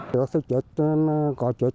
tại cảng cá thuận an